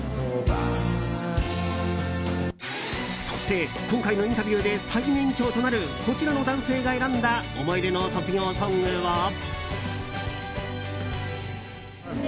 そして、今回のインタビューで最年長となるこちらの男性が選んだ思い出の卒業ソングは。